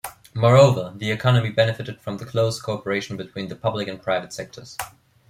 Moreover, the economy benefited from the close cooperation between the public and private sectors.